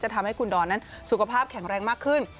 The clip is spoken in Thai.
ทำให้คุณดอนนั้นสุขภาพแข็งแรงมากขึ้น